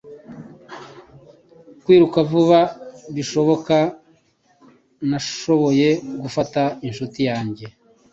Kwiruka vuba bishoboka, nashoboye gufata inshuti yanjye.